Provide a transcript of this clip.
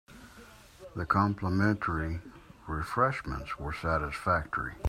The complimentary refreshments were satisfactory.